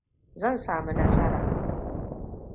Zan sami nasara.